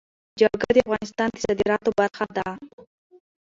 جلګه د افغانستان د صادراتو برخه ده.